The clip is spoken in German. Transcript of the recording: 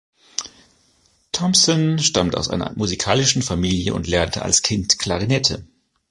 Thompson stammt aus einer musikalischen Familie und lernte als Kind Klarinette.